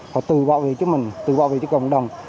họ tự bảo vệ cho mình tự bảo vệ cho cộng đồng